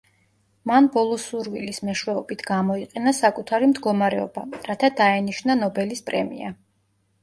მან ბოლო სურვილის მეშვეობით გამოიყენა საკუთარი მდგომარეობა, რათა დაენიშნა ნობელის პრემია.